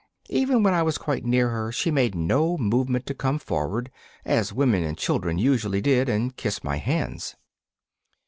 Even when I was quite near her she made no movement to come forward, as women and children usually did, and kiss my hands.